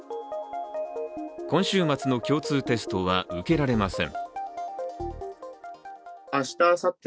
今週末の共通テストは受けられません。